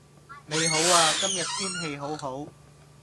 你好呀,今日天氣好好